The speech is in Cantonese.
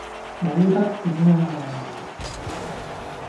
冇得頂呀!